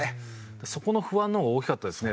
そこの不安の方が大きかったですね